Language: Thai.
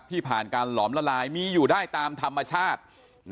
ผ่านการหลอมละลายมีอยู่ได้ตามธรรมชาติ